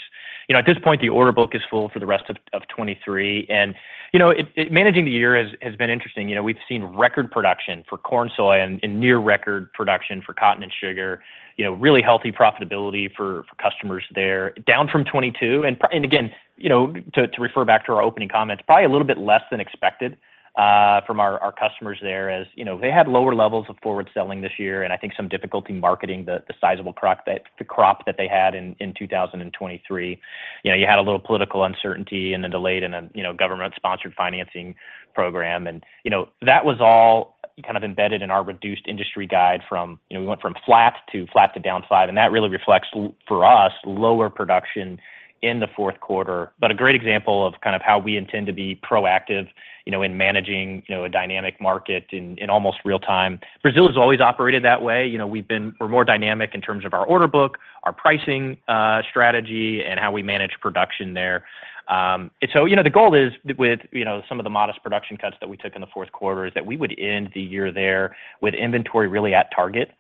You know, at this point, the order book is full for the rest of 2023, and, you know, it- managing the year has been interesting. You know, we've seen record production for corn and soy, and near record production for cotton and sugar. You know, really healthy profitability for customers there, down from 2022. Again, you know, to refer back to our opening comments, probably a little bit less than expected from our customers there. As you know, they had lower levels of forward selling this year, and I think some difficulty marketing the sizable crop that they had in 2023. You know, you had a little political uncertainty and a delay in a, you know, government-sponsored financing program, that was all kind of embedded in our reduced industry guide, we went from flat to flat to downslide, and that really reflects for us, lower production in the fourth quarter. A great example of kind of how we intend to be proactive, you know, in managing, you know, a dynamic market in, in almost real time. Brazil has always operated that way. You know, we're more dynamic in terms of our order book, our pricing strategy, and how we manage production there. You know, the goal is with, you know, some of the modest production cuts that we took in the fourth quarter is that we would end the year there with inventory really at target.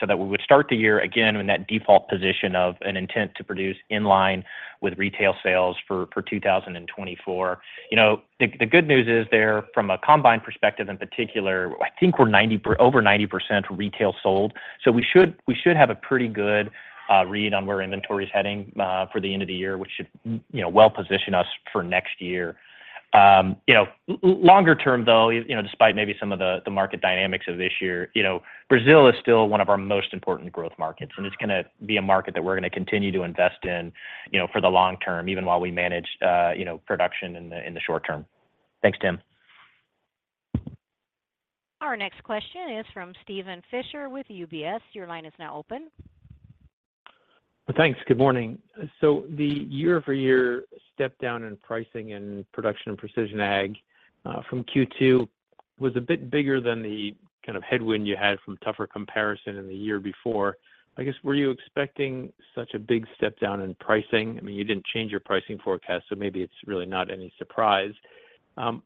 So that we would start the year again in that default position of an intent to produce in line with retail sales for 2024. You know, the good news is there, from a combine perspective in particular, I think we're 90 per- over 90% retail sold. We should, we should have a pretty good read on where inventory is heading for the end of the year, which should, you know, well position us for next year. You know, longer term, though, you know, despite maybe some of the, the market dynamics of this year, you know, Brazil is still one of our most important growth markets, and it's gonna be a market that we're gonna continue to invest in, you know, for the long term, even while we manage, you know, production in the, in the short term. Thanks, Tim. Our next question is from Steven Fisher with UBS. Your line is now open. Thanks. Good morning. The year-over-year step down in pricing and Production and Precision Ag from Q2 was a bit bigger than the kind of headwind you had from tougher comparison than the year before. I guess, were you expecting such a big step down in pricing? I mean, you didn't change your pricing forecast, so maybe it's really not any surprise. I'm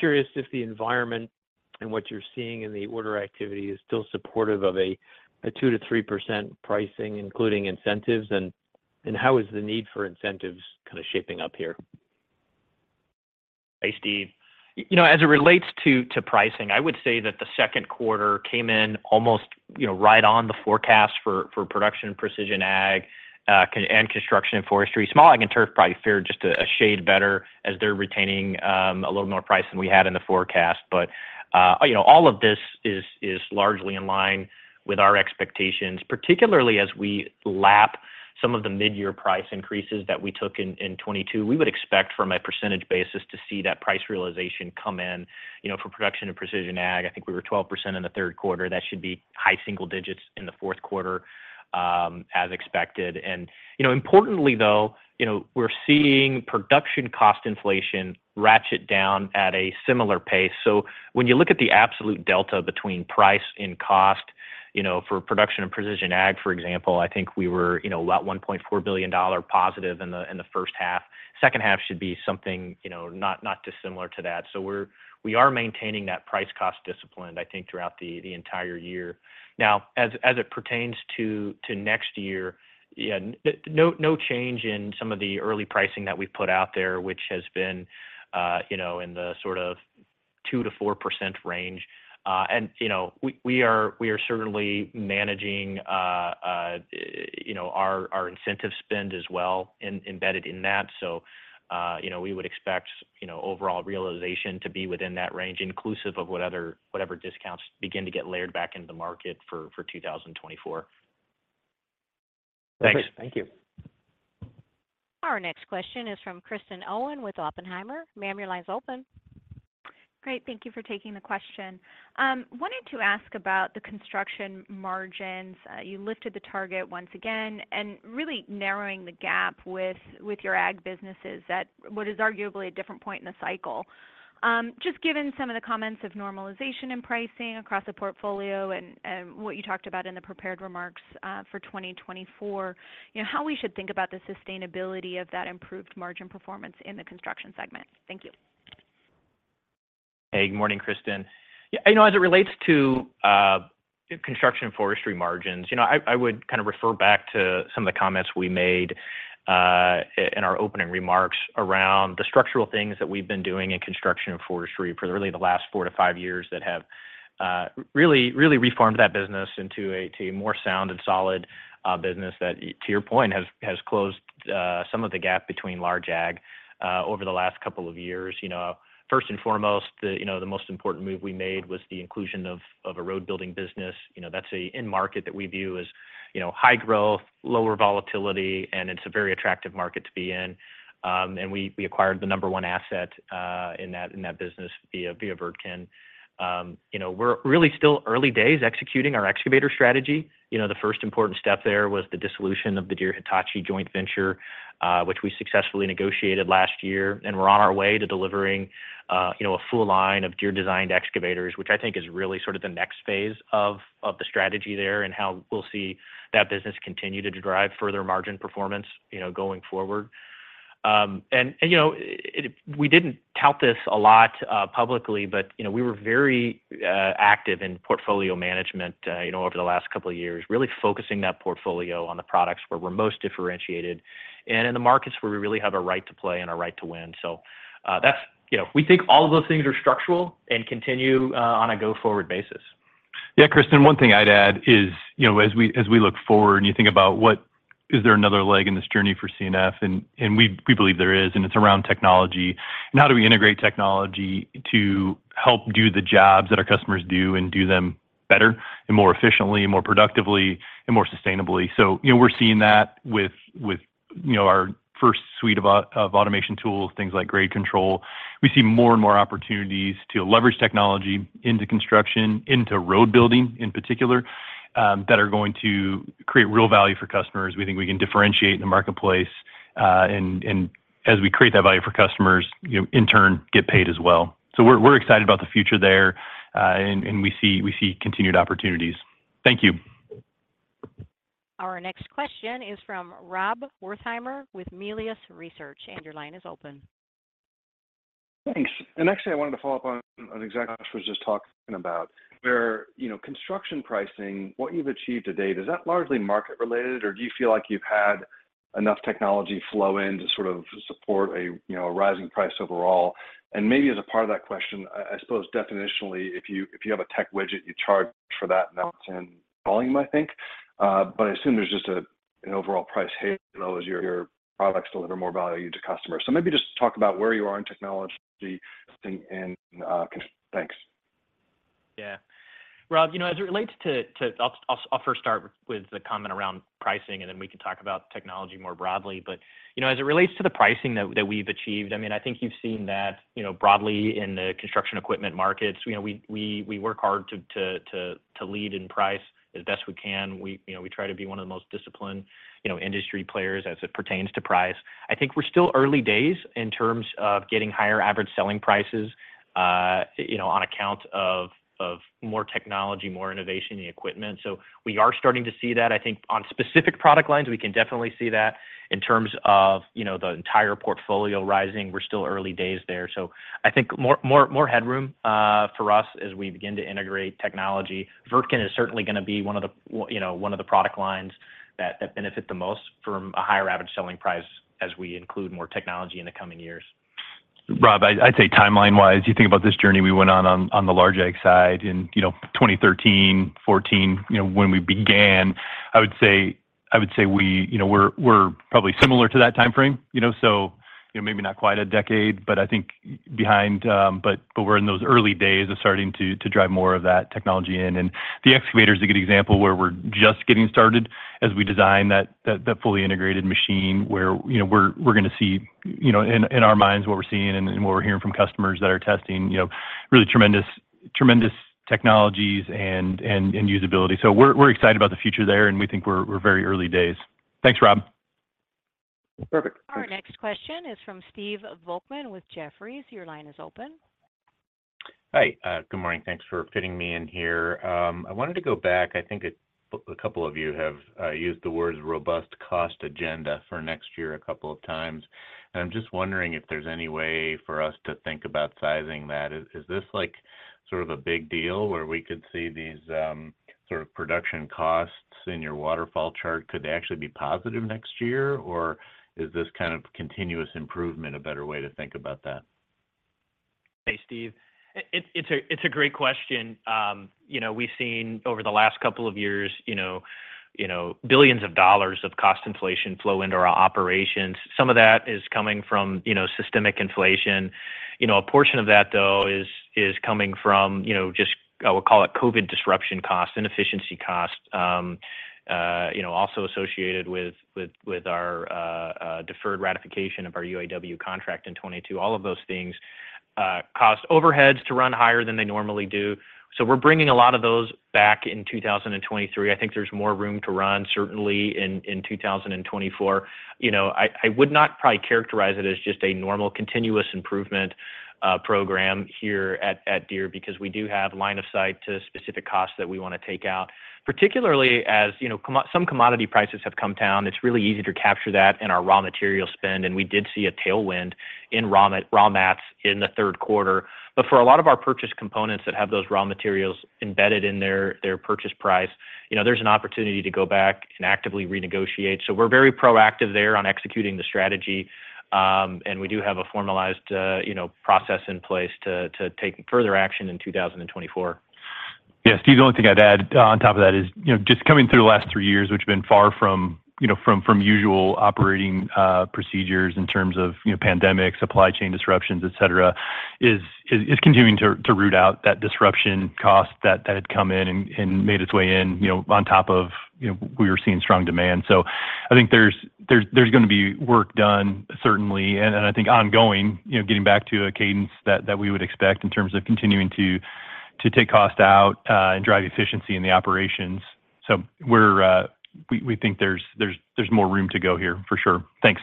curious if the environment and what you're seeing in the order activity is still supportive of a 2%-3% pricing, including incentives, and how is the need for incentives kind of shaping up here? Hey, Steven Fisher. You know, as it relates to, to pricing, I would say that the second quarter came in almost, you know, right on the forecast for, for Production and Precision Ag, and Construction & Forestry. Small Ag & Turf probably fared just a, a shade better as they're retaining a little more price than we had in the forecast. You know, all of this is, is largely in line with our expectations, particularly as we lap some of the midyear price increases that we took in 2022. We would expect from a percentage basis to see that price realization come in. You know, for Production and Precision Ag, I think we were 12% in the third quarter. That should be high single digits in the fourth quarter, as expected. You know, importantly, though, you know, we're seeing production cost inflation ratchet down at a similar pace. When you look at the absolute delta between price and cost, you know, for Production and Precision Ag, for example, I think we were, you know, about $1.4 billion positive in the, in the first half. Second half should be something, you know, not, not dissimilar to that. We are maintaining that price-cost discipline, I think, throughout the, the entire year. As, as it pertains to, to next year, yeah, no, no change in some of the early pricing that we've put out there, which has been, you know, in the sort of 2%-4% range. You know, we, we are, we are certainly managing, you know, our, our incentive spend as well, embedded in that. You know, we would expect, you know, overall realization to be within that range, inclusive of whatever discounts begin to get layered back into the market for, for 2024. Thanks. Thank you. Our next question is from Kristen Owen with Oppenheimer. Ma'am, your line's open. Great, thank you for taking the question. wanted to ask about the construction margins. you lifted the target once again and really narrowing the gap with, with your ag businesses at what is arguably a different point in the cycle. just given some of the comments of normalization in pricing across the portfolio and, and what you talked about in the prepared remarks, for 2024, you know, how we should think about the sustainability of that improved margin performance in the construction segment? Thank you. Hey, good morning, Kristen. Yeah, you know, as it relates to Construction & Forestry margins, you know, I, I would kind of refer back to some of the comments we made in our opening remarks around the structural things that we've been doing in Construction & Forestry for really the last 4 to 5 years that have really, really reformed that business into a, to a more sound and solid business that, to your point, has closed some of the gap between large ag over the last 2 years. You know, first and foremost, the, you know, the most important move we made was the inclusion of, of a road building business. You know, that's an end market that we view as, you know, high growth, lower volatility, and it's a very attractive market to be in. We, we acquired the number one asset in that, in that business via, via Wirtgen. You know, we're really still early days executing our excavator strategy. You know, the first important step there was the dissolution of the Deere-Hitachi joint venture, which we successfully negotiated last year, and we're on our way to delivering, you know, a full line of Deere-designed excavators, which I think is really sort of the next phase of, of the strategy there and how we'll see that business continue to drive further margin performance, you know, going forward. And, you know, we didn't tout this a lot, publicly, but, you know, we were very, active in portfolio management, you know, over the last couple of years, really focusing that portfolio on the products where we're most differentiated and in the markets where we really have a right to play and a right to win. That's... You know, we think all of those things are structural and continue, on a go-forward basis. Yeah, Kristen, one thing I'd add is, you know, as we, as we look forward and you think about what, is there another leg in this journey for C&F? We, we believe there is, and it's around technology, and how do we integrate technology to help do the jobs that our customers do and do them better and more efficiently, more productively, and more sustainably? You know, we're seeing that with, with, you know, our first suite of automation tools, things like grade control. We see more and more opportunities to leverage technology into construction, into road building in particular, that are going to create real value for customers. We think we can differentiate in the marketplace. As we create that value for customers, you know, in turn, get paid as well. We're excited about the future there, and we see continued opportunities. Thank you. Our next question is from Rob Wertheimer with Melius Research. Your line is open. Thanks. Actually, I wanted to follow up on, on exactly what Josh was just talking about, where, you know, construction pricing, what you've achieved to date, is that largely market related, or do you feel like you've had enough technology flow in to sort of support a, you know, a rising price overall? Maybe as a part of that question, I, I suppose definitionally, if you, if you have a tech widget, you charge for that, and that's in volume, I think. But I assume there's just a, an overall price hike, you know, as your, your products deliver more value to customers. Maybe just talk about where you are in technology thing and thanks. Yeah. Rob, you know, as it relates, I'll, I'll, I'll first start with the comment around pricing, and then we can talk about technology more broadly. You know, as it relates to the pricing that, that we've achieved, I mean, I think you've seen that, you know, broadly in the construction equipment markets. You know, we, we, we work hard to, to, to, to lead in price as best we can. We, you know, we try to be one of the most disciplined, you know, industry players as it pertains to price. I think we're still early days in terms of getting higher Average Selling Prices, you know, on account of, of more technology, more innovation in equipment. We are starting to see that. I think on specific product lines, we can definitely see that. In terms of, you know, the entire portfolio rising, we're still early days there. I think more, more, more headroom for us as we begin to integrate technology. Wirtgen is certainly gonna be one of the you know, one of the product lines that, that benefit the most from a higher average selling price as we include more technology in the coming years. Rob, I, I'd say timeline-wise, you think about this journey we went on, on, on the large ag side in, you know, 2013, 2014, you know, when we began, I would say, I would say we, you know, we're, we're probably similar to that time frame. You know, so, you know, maybe not quite a decade, but I think behind, but, but we're in those early days of starting to, to drive more of that technology in. The excavator is a good example where we're just getting started as we design that, that, that fully integrated machine, where, you know, we're, we're gonna see. You know, in, in our minds, what we're seeing and, and what we're hearing from customers that are testing, you know, really tremendous, tremendous technologies and, and, and usability. We're excited about the future there, and we think we're very early days. Thanks, Rob. Perfect. Thanks. Our next question is from Stephen Volkmann with Jefferies. Your line is open. Hi. good morning. Thanks for fitting me in here. I wanted to go back. I think a couple of you have used the words robust cost agenda for next year a couple of times. I'm just wondering if there's any way for us to think about sizing that. Is this, like, sort of a big deal where we could see these, sort of production costs in your waterfall chart, could they actually be positive next year? Is this kind of continuous improvement a better way to think about that? Hey, Steve. It's a great question. You know, we've seen over the last couple of years, you know, you know, $ billions of cost inflation flow into our operations. Some of that is coming from, you know, systemic inflation. You know, a portion of that, though, is coming from, you know, just, I would call it COVID disruption cost, inefficiency cost, you know, also associated with our deferred ratification of our UAW contract in 2022. All of those things cost overheads to run higher than they normally do. We're bringing a lot of those back in 2023. I think there's more room to run, certainly in 2024. You know, I, I would not probably characterize it as just a normal continuous improvement program here at Deere, because we do have line of sight to specific costs that we wanna take out, particularly as, you know, some commodity prices have come down. It's really easy to capture that in our raw material spend, and we did see a tailwind in raw mats in the third quarter. For a lot of our purchase components that have those raw materials embedded in their, their purchase price, you know, there's an opportunity to go back and actively renegotiate. We're very proactive there on executing the strategy, and we do have a formalized, you know, process in place to, to take further action in 2024. Yeah, Steve, the only thing I'd add on top of that is, you know, just coming through the last three years, which have been far from, you know, from, from usual operating procedures in terms of, you know, pandemics, supply chain disruptions, et cetera, is, is continuing to, to root out that disruption cost that, that had come in and, and made its way in, you know, on top of, you know, we were seeing strong demand. So I think there's, there's, there's gonna be work done, certainly, and, and I think ongoing, you know, getting back to a cadence that, that we would expect in terms of continuing to, to take cost out and drive efficiency in the operations. So we're, we, we think there's, there's, there's more room to go here for sure. Thanks.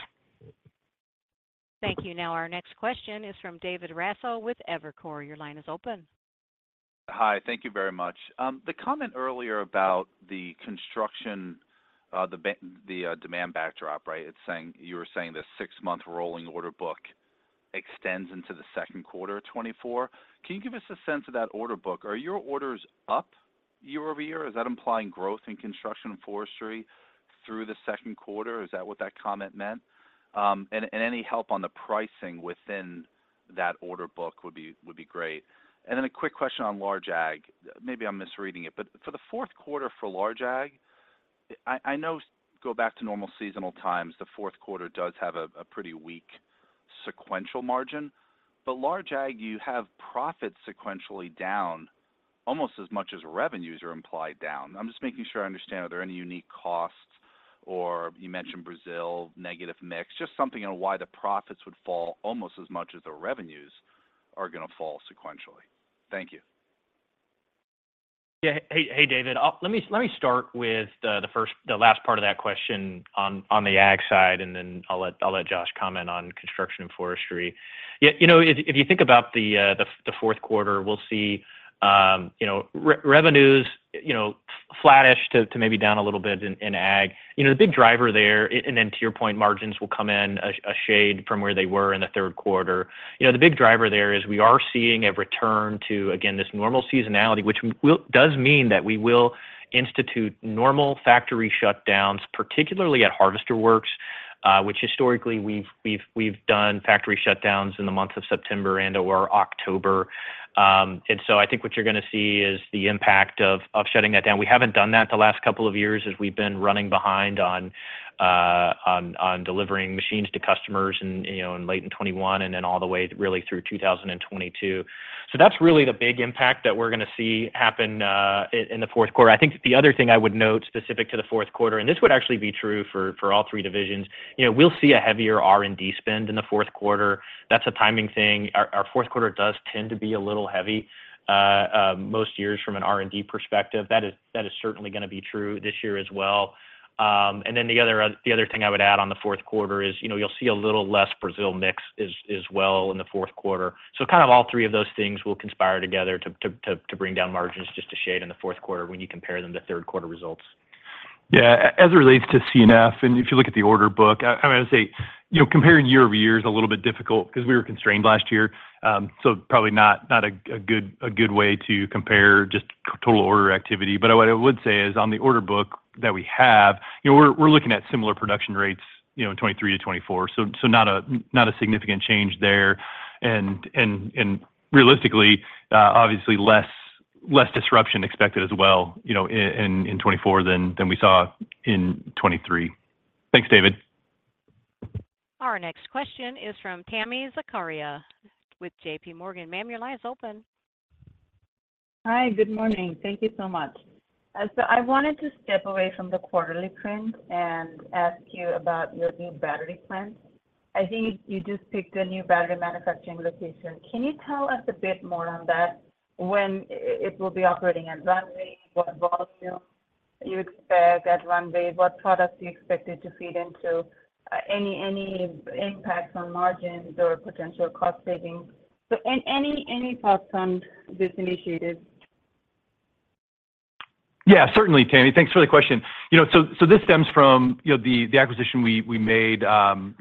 Thank you. Our next question is from David Raso with Evercore. Your line is open. Hi, thank you very much. The comment earlier about the construction, the demand backdrop, right? You were saying the six-month rolling order book extends into the second quarter of 2024. Can you give us a sense of that order book? Are your orders up year-over-year? Is that implying growth in Construction & Forestry through the second quarter? Is that what that comment meant? Any help on the pricing within that order book would be, would be great. Then a quick question on large Ag. Maybe I'm misreading it, but for the fourth quarter for large Ag, I, I know go back to normal seasonal times, the fourth quarter does have a, a pretty weak sequential margin. Large Ag, you have profits sequentially down almost as much as revenues are implied down. I'm just making sure I understand, are there any unique costs, or you mentioned Brazil, negative mix? Just something on why the profits would fall almost as much as the revenues are gonna fall sequentially. Thank you. Yeah. Hey, hey, David, let me, let me start with the, the first, the last part of that question on, on the ag side, and then I'll let, I'll let Josh comment on Construction & Forestry. Yeah, you know, if, if you think about the, the fourth quarter, we'll see, you know, revenues, you know, flattish to, to maybe down a little bit in, in ag. You know, the big driver there, and then to your point, margins will come in a, a shade from where they were in the third quarter. You know, the big driver there is we are seeing a return to, again, this normal seasonality, which does mean that we will institute normal factory shutdowns, particularly at Harvester Works, which historically we've, we've, we've done factory shutdowns in the months of September and/or October. I think what you're gonna see is the impact of shutting that down. We haven't done that the last couple of years as we've been running behind on delivering machines to customers in, you know, late 2021, and then all the way really through 2022. That's really the big impact that we're gonna see happen in the fourth quarter. I think the other thing I would note, specific to the fourth quarter, and this would actually be true for all three divisions, you know, we'll see a heavier R&D spend in the fourth quarter. That's a timing thing. Our fourth quarter does tend to be a little heavy, most years from an R&D perspective. That is certainly gonna be true this year as well. Then the other, the other thing I would add on the fourth quarter is, you know, you'll see a little less Brazil mix as, as well in the fourth quarter. Kind of all three of those things will conspire together to bring down margins just a shade in the fourth quarter when you compare them to third quarter results. Yeah, as it relates to C&F, and if you look at the order book, I mean, I'd say, you know, comparing year-over-year is a little bit difficult because we were constrained last year, so probably not a good way to compare just total order activity. What I would say is, on the order book that we have, you know, we're looking at similar production rates, you know, in 2023 to 2024, so not a significant change there. Realistically, obviously, less disruption expected as well, you know, in 2024 than we saw in 2023. Thanks, David. Our next question is from Tami Zakaria with JPMorgan. Ma'am, your line is open. Hi, good morning. Thank you so much. I wanted to step away from the quarterly trend and ask you about your new battery plan. I think you just picked a new battery manufacturing location. Can you tell us a bit more on that? When it will be operating at runway? What volume you expect at runway? What products you expect it to feed into? Any, any impacts on margins or potential cost savings, so any, any, any thoughts on this initiative? Yeah, certainly, Tami. Thanks for the question. You know, so, this stems from, you know, the, the acquisition we, we made, you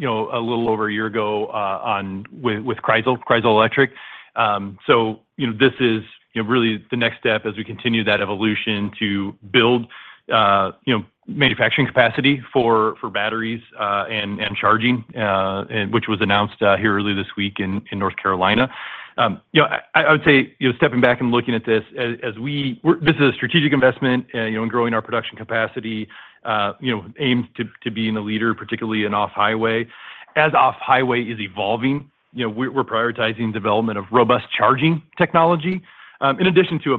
know, a little over a year ago, on with, with Kreisel, Kreisel Electric. You know, this is, you know, really the next step as we continue that evolution to build, you know, manufacturing capacity for, for batteries, and, and charging, and which was announced here earlier this week in, in North Carolina. You know, I, I would say, you know, stepping back and looking at this as, as this is a strategic investment, you know, in growing our production capacity, you know, aimed to, to being a leader, particularly in off-highway. As off-highway is evolving, you know, we're, we're prioritizing development of robust charging technology, in addition to a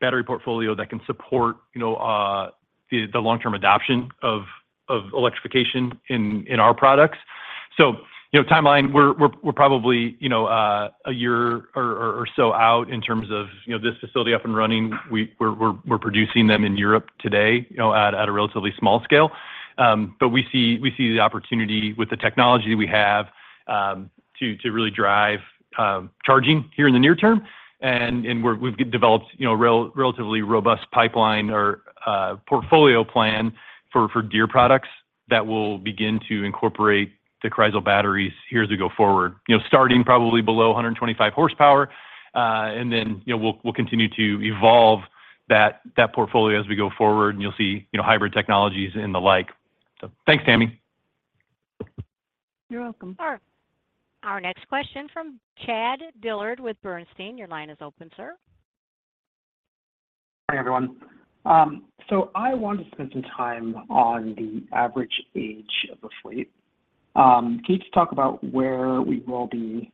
battery, battery portfolio that can support, you know, the, the long-term adoption of, of electrification in, in our products. You know, timeline, we're, we're, we're probably, you know, a year or, or, or so out in terms of, you know, this facility up and running. We're, we're, we're producing them in Europe today, you know, at, at a relatively small scale. We see, we see the opportunity with the technology we have, to, to really drive, charging here in the near term. We've developed, you know, relatively robust pipeline or, portfolio plan for, for Deere products that will begin to incorporate the Kreisel batteries here as we go forward. You know, starting probably below 125 horsepower, and then, you know, we'll, we'll continue to evolve that, that portfolio as we go forward, and you'll see, you know, hybrid technologies and the like. Thanks, Tami. You're welcome. All right. Our next question from Chad Dillard with Bernstein. Your line is open, sir. Hi, everyone. I want to spend some time on the average age of the fleet. Can you just talk about where we will be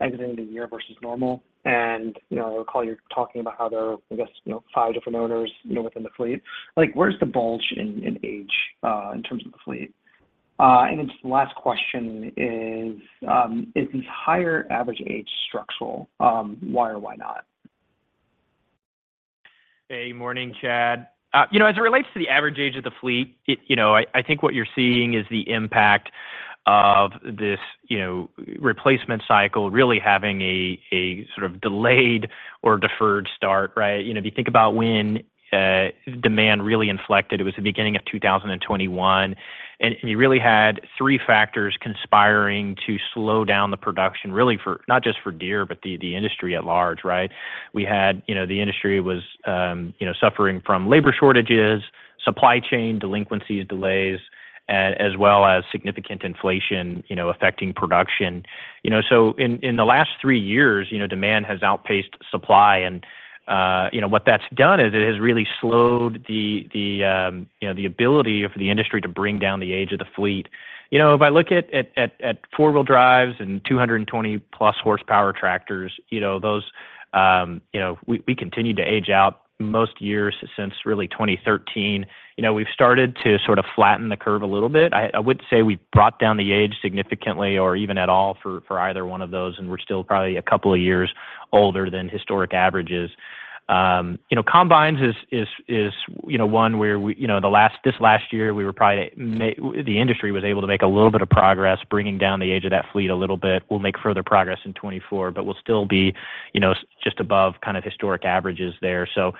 exiting the year versus normal? You know, I recall you talking about how there are, I guess, you know, five different owners, you know, within the fleet. Like, where's the bulge in, in age in terms of the fleet? Then just the last question is, is the higher average age structural? Why or why not? Hey morning, Chad. you know, as it relates to the average age of the fleet, it, you know, I, I think what you're seeing is the impact of this, you know, replacement cycle really having a, a sort of delayed or deferred start, right? You know, if you think about when, demand really inflected, it was the beginning of 2021, and you really had three factors conspiring to slow down the production, really not just for Deere, but the, the industry at large, right? We had, you know, the industry was, you know, suffering from labor shortages, supply chain delinquencies, delays, as well as significant inflation, you know, affecting production. You know, in, in the last three years, you know, demand has outpaced supply, and, you know, what that's done is it has really slowed the, the, you know, the ability of the industry to bring down the age of the fleet. You know, if I look at, at, at, at four-wheel drives and 220 plus horsepower tractors, you know, we, we continued to age out most years since really 2013. You know, we've started to sort of flatten the curve a little bit. I wouldn't say we brought down the age significantly or even at all for, for either one of those, and we're still probably a couple of years older than historic averages. you know, combines is, you know, one where we, we, you know, this last year, we were probably the industry was able to make a little bit of progress, bringing down the age of that fleet a little bit. We'll make further progress in 2024, but we'll still be, you know, just above kind of historic averages there. you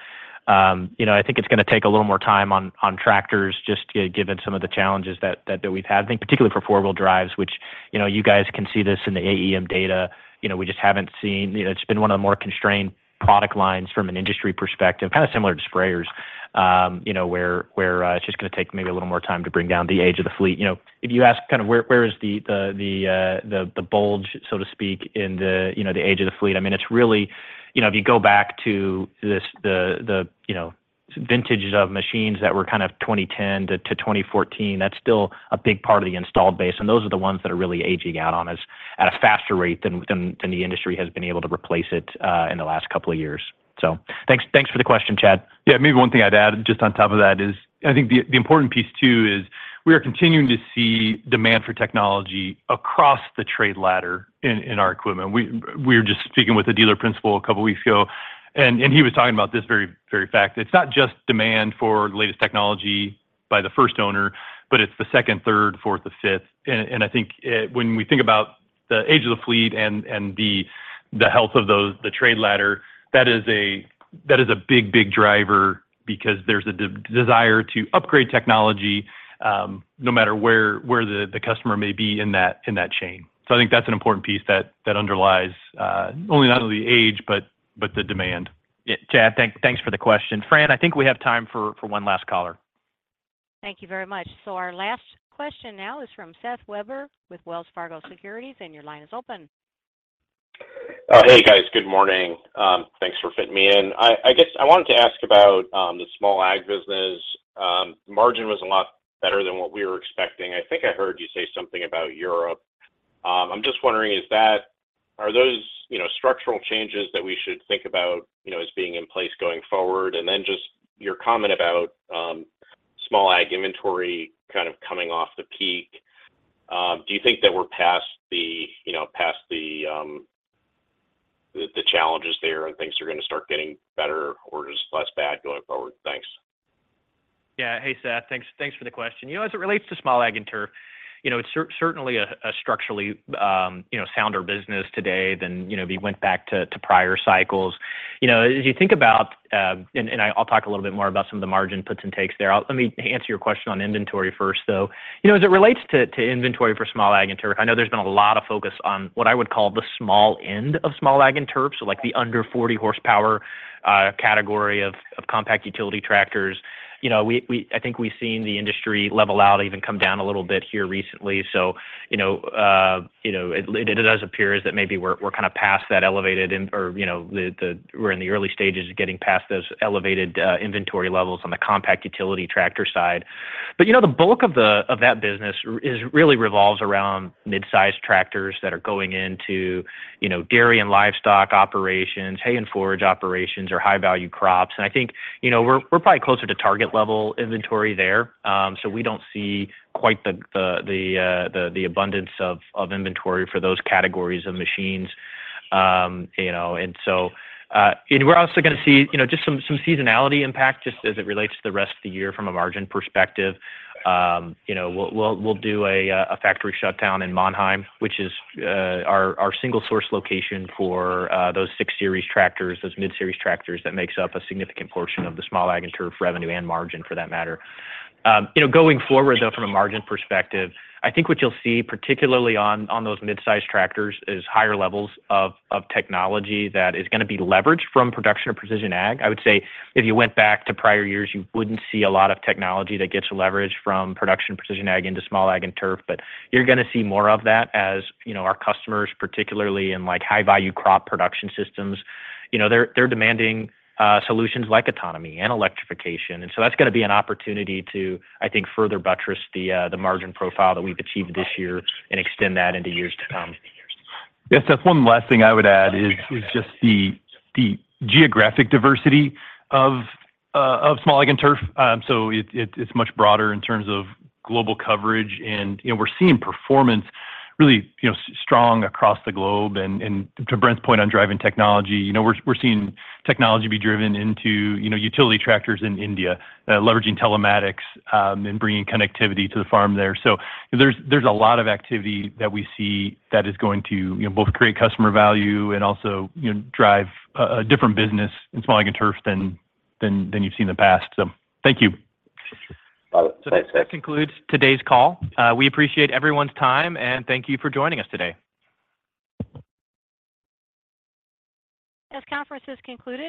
know, I think it's gonna take a little more time on, on tractors, just given some of the challenges that we've had. I think particularly for four-wheel drives, which, you know, you guys can see this in the AEM data. You know, we just haven't seen- you know, it's been one of the more constrained product lines from an industry perspective, kind of similar to sprayers, you know, where, where it's just gonna take maybe a little more time to bring down the age of the fleet. You know, if you ask kind of where, where is the, the, the, the, the bulge, so to speak, in the, you know, the age of the fleet, I mean, it's really. You know, if you go back to this, the, the, you know, vintages of machines that were kind of 2010 to, to 2014, that's still a big part of the installed base, and those are the ones that are really aging out on us at a faster rate than, than, than the industry has been able to replace it in the last couple of years. Thanks, thanks for the question, Chad. Yeah, maybe one thing I'd add just on top of that is, I think the important piece, too, is we are continuing to see demand for technology across the trade ladder in our equipment. We were just speaking with a dealer principal a couple of weeks ago, and he was talking about this very, very fact. It's not just demand for the latest technology by the first owner, but it's the second, third, fourth, or fifth. I think when we think about the age of the fleet and the health of those, the trade ladder, that is a, that is a big, big driver because there's a desire to upgrade technology, no matter where the customer may be in that chain. I think that's an important piece that, that underlies, not only the age, but, but the demand. Yeah, Chad, thanks for the question. Fran, I think we have time for one last caller. Thank you very much. Our last question now is from Seth Weber with Wells Fargo Securities, and your line is open. Hey, guys. Good morning. Thanks for fitting me in. I, I guess I wanted to ask about the small ag business. Margin was a lot better than what we were expecting. I think I heard you say something about Europe. I'm just wondering, are those, you know, structural changes that we should think about, you know, as being in place going forward? Then just your comment about small ag inventory kind of coming off the peak. Do you think that we're past the, you know, past the, the challenges there, and things are gonna start getting better or just less bad going forward? Thanks. Yeah. Hey, Seth. Thanks, thanks for the question. You know, as it relates to Small Ag & Turf, you know, it's certainly a, a structurally, you know, sounder business today than, you know, if you went back to, to prior cycles. You know, as you think about, and I'll talk a little bit more about some of the margin puts and takes there. Let me answer your question on inventory first, though. You know, as it relates to, to inventory for Small Ag & Turf, I know there's been a lot of focus on what I would call the small end of Small Ag & Turf, so like the under 40 horsepower category of compact utility tractors. You know, we, I think we've seen the industry level out, even come down a little bit here recently. You know, you know, it, it does appear as that maybe we're, we're kind of past that elevated in- or, you know, the, the- we're in the early stages of getting past those elevated inventory levels on the compact utility tractor side. You know, the bulk of the, of that business r- is- really revolves around mid-size tractors that are going into, you know, dairy and livestock operations, hay and forage operations or high-value crops. I think, you know, we're, we're probably closer to target level inventory there. We don't see quite the, the, the, the, the abundance of, of inventory for those categories of machines. You know, and we're also gonna see, you know, just some, some seasonality impact, just as it relates to the rest of the year from a margin perspective. You know, we'll, we'll, we'll do a factory shutdown in Mannheim, which is our, our single source location for those 6 Series tractors, those mid-series tractors that makes up a significant portion of the Small Ag & Turf revenue and margin for that matter. You know, going forward, though, from a margin perspective, I think what you'll see, particularly on, on those mid-size tractors, is higher levels of technology that is gonna be leveraged from Production & Precision Ag. I would say if you went back to prior years, you wouldn't see a lot of technology that gets leveraged from Production Precision Ag into Small Ag & Turf, but you're gonna see more of that as, you know, our customers, particularly in, like, high-value crop production systems. You know, they're, they're demanding, solutions like autonomy and electrification, and that's gonna be an opportunity to, I think, further buttress the, the margin profile that we've achieved this year and extend that into years to come. Yes, Brent, one last thing I would add is, is just the, the geographic diversity of Small Ag & Turf. It's, it's, it's much broader in terms of global coverage and, you know, we're seeing performance really, you know, strong across the globe. To Brent's point on driving technology, you know, we're, we're seeing technology be driven into, you know, utility tractors in India, leveraging telematics and bringing connectivity to the farm there. There's, there's a lot of activity that we see that is going to, you know, both create customer value and also, you know, drive a, a different business in Small Ag & Turf than, than, than you've seen in the past. Thank you. That concludes today's call. We appreciate everyone's time, and thank you for joining us today. This conference is concluded.